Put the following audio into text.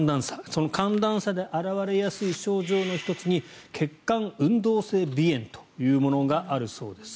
その寒暖差で表れやすい症状の１つに血管運動性鼻炎というものがあるそうです。